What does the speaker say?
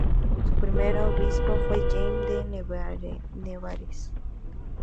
Su primer obispo fue Jaime de Nevares.